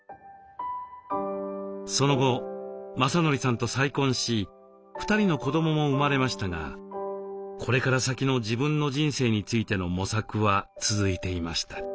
その後正憲さんと再婚し２人の子どもも生まれましたがこれから先の自分の人生についての模索は続いていました。